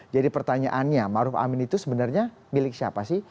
jadi pertanyaannya maruf amin itu sebenarnya milik siapa sih